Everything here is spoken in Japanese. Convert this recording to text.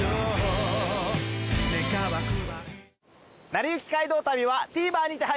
『なりゆき街道旅』はＴＶｅｒにて配信中です。